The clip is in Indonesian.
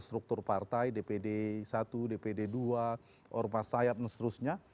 struktur partai dpd i dpd ii ormasayat dan seterusnya